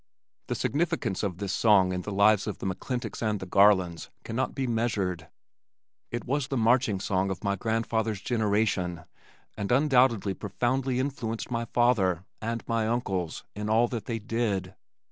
The significance of this song in the lives of the McClintocks and the Garlands cannot be measured. It was the marching song of my Grandfather's generation and undoubtedly profoundly influenced my father and my uncles in all that they did.